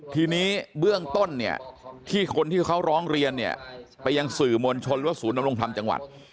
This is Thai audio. ทีนี้เบื้องต้นเนี่ยที่คนที่เขาร้องเรียนเนี่ยไปยังสื่อมวลชนหรือว่าศูนย์นำรงธรรมจังหวัด